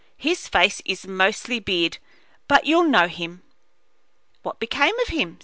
His face is mostly beard, but you'll know him." "What became of him?"